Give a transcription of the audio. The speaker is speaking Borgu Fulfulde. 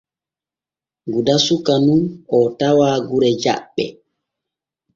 Guda suka nun oo tawa gure Jaɓɓe.